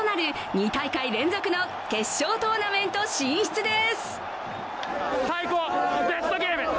２大会連続の決勝トーナメント進出です。